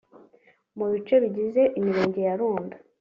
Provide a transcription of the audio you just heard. mu bice bigize imirenge ya Runda